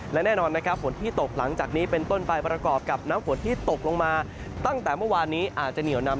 และแน่นอนนะครับฝนที่ตกหลังจากนี้เป็นต้นไปประกอบกับน้ำฝนที่ตกลงมาตั้งแต่เมื่อวานนี้อาจจะเหนียวนำ